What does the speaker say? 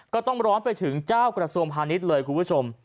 ก็ต้องร้อนไปถึงเจ้ากระทรวงพาณิชย์เลยคุณผู้ชม